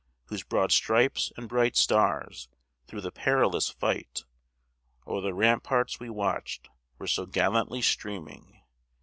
Whose broad stripes and bright stars, through the perilous fight, O'er the ramparts we watched were so gallantly streaming!